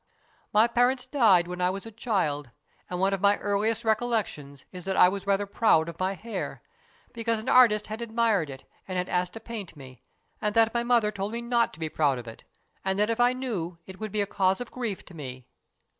My parents died when I was a child, and one of my earliest recollections is that I was rather proud io8 STORIES IN GREY of my hair, because an artist had admired it and had asked to paint me, and that my mother told me not to be proud of it, and that if I knew it would be a cause of grief to me.